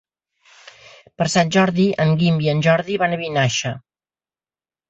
Per Sant Jordi en Guim i en Jordi van a Vinaixa.